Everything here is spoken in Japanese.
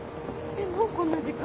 えっもうこんな時間。